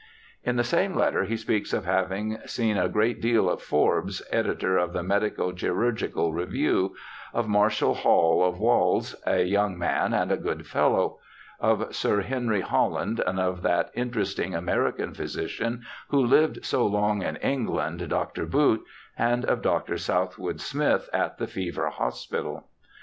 In the same letter he speaks of having seen a great deal of Forbes, editor of the Medico Chirurgical Review, of Marshall Hall, of Walshe, 'a young man and a good fellow'; of Sir Henry Holland, and of that interesting American physician, who lived so long in England, Dr. Boott, and of Dr. Southwood Smith at the Fever Hospital.